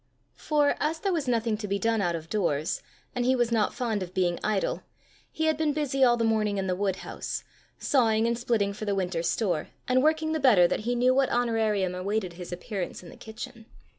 For, as there was nothing to be done out of doors, and he was not fond of being idle, he had been busy all the morning in the woodhouse, sawing and splitting for the winter store, and working the better that he knew what honorarium awaited his appearance in the kitchen.